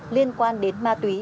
liên quan đến ma túy